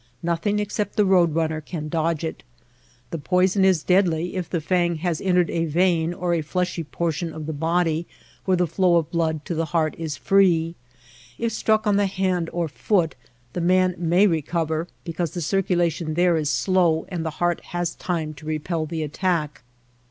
Nothing except the road runner can dodge it. The poison is deadly if the fang has entered a vein or a fleshy portion of the body where the flow of blood to the heart is free. If struck on the hand or foot, the man may re cover, because the circulation there is slow and the heart has time to repel the attack.